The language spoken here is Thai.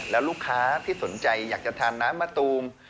แล้วลูกค้าที่สนใจอยากจะทานน้ำมะตูม